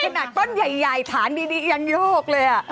หนักต้นใหญ่ฐานดียั่นโยกเลยอ่ะ